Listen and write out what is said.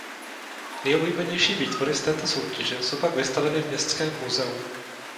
Nejoblíbenější výtvory z této soutěže jsou pak vystaveny v městském muzeu.